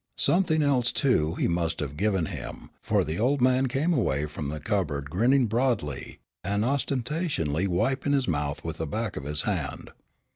Something else, too, he must have given him, for the old man came away from the cupboard grinning broadly, and ostentatiously wiping his mouth with the back of his hand.